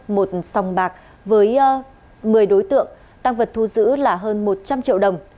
một sòng bạc với một mươi đối tượng tăng vật thu giữ là hơn một trăm linh triệu đồng